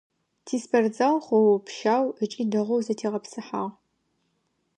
Тиспортзал хъоопщау ыкӏи дэгъоу зэтегъэпсыхьагъ.